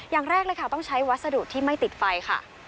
อย่างแรกเลยค่ะต้องใช้วัสดุที่ไม่ติดไฟค่ะ